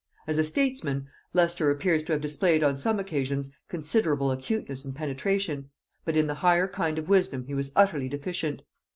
As a statesman Leicester appears to have displayed on some occasions considerable acuteness and penetration, but in the higher kind of wisdom he was utterly deficient.